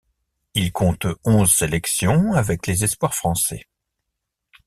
Il compte onze sélections avec les Espoirs français.